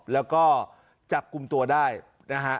แล้วก็จับกลุ่มตัวได้นะฮะ